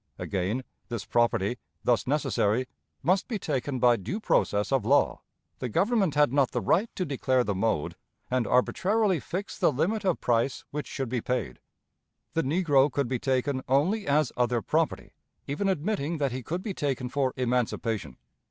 Again, this property, thus necessary, must be taken by due process of law. The Government had not the right to declare the mode, and arbitrarily fix the limit of price which should be paid. The negro could be taken only as other property, even admitting that he could be taken for emancipation.